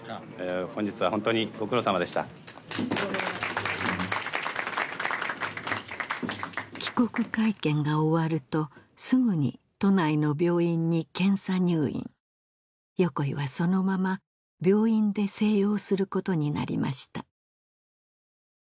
本日は本当にご苦労さまでした帰国会見が終わるとすぐに都内の病院に検査入院横井はそのまま病院で静養することになりました